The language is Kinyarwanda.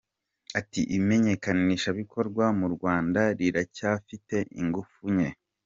Ati “Imenyekanishabikorwa mu Rwanda riracyafite ingufu nke.